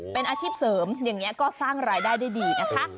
เป็นอาชีพเสริมอย่างนี้ก็สร้างรายได้ได้ดีนะคะ